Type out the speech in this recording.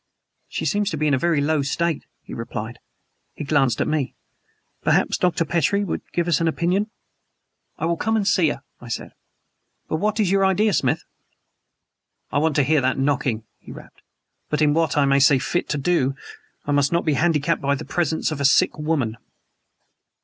"She seems to be in a very low state," he replied. He glanced at me. "Perhaps Dr. Petrie would give us an opinion?" "I will come and see her," I said. "But what is your idea, Smith?" "I want to hear that knocking!" he rapped. "But in what I may see fit to do I must not be handicapped by the presence of a sick woman."